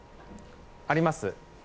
あります。